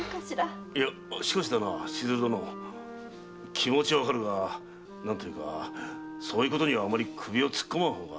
気持ちはわかるがそういうことにはあまり首を突っ込まん方が。